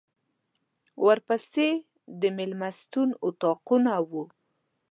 ورپسې د مېلمستون اطاقونه وو.